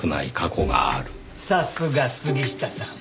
さすが杉下さん。